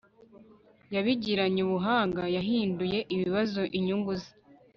yabigiranye ubuhanga yahinduye ibibazo inyungu ze